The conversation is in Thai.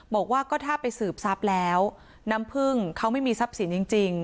บอกว่าก็ถ้าไปสืบทรัพย์แล้วน้ำพึ่งเขาไม่มีทรัพย์สินจริง